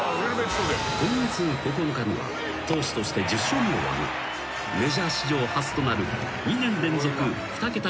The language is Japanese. ［今月９日には投手として１０勝目を挙げメジャー史上初となる］